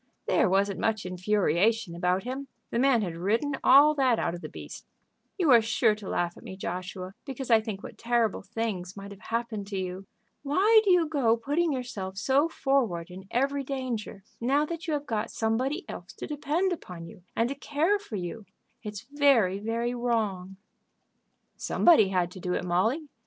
"There wasn't much infuriation about him. The man had ridden all that out of the beast." "You are sure to laugh at me, Joshua, because I think what terrible things might have happened to you. Why do you go putting yourself so forward in every danger, now that you have got somebody else to depend upon you and to care for you? It's very, very wrong." "Somebody had to do it, Molly.